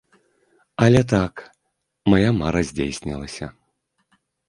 Але так, мая мара здзейснілася.